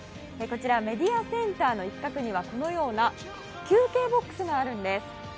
こちらメディアセンターの一角にはこのような休憩ボックスがあるんです。